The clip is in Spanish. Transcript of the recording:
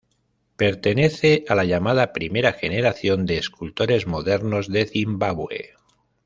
Pertenece a la llamada primera generación de escultores modernos de Zimbabue.